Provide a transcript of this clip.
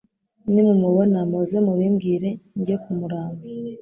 Nimumubona muze mubimbwire, njye kumuramva."